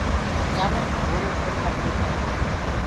اچآنڪ گھوڙو کُر مٿي اُٺآ ليس۔